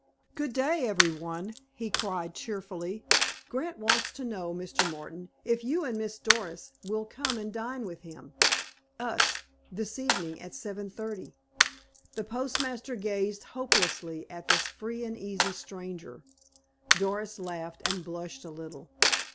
"Good day, everybody," he cried cheerfully. "Grant wants to know, Mr. Martin, if you and Miss Doris will come and dine with him, us, this evening at 7.30?" The postmaster gazed helplessly at this free and easy stranger. Doris laughed, and blushed a little.